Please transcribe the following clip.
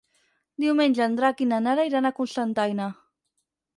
Diumenge en Drac i na Nara iran a Cocentaina.